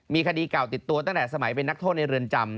มีคดีเก่าติดตัวตั้งแต่สมัยเป็นนักโทษในเรือนจำ